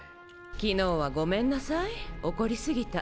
昨日はごめんなさい怒りすぎた。